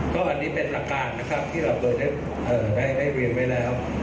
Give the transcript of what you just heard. ก็อันนี้เป็นหลักการนะครับที่เราเคยได้เรียนไว้แล้ว